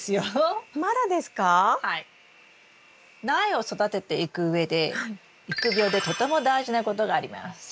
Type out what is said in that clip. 苗を育てていくうえで育苗でとても大事なことがあります。